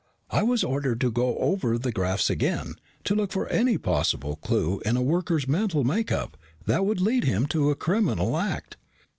"I was ordered to go over the graphs again, to look for any possible clue in a worker's mental make up that would lead him to a criminal act."